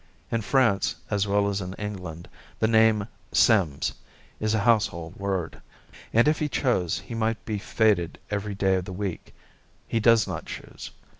In France as well as in England the name Sims is a household word, and if he chose he might be feted every day of the week. He does not choose.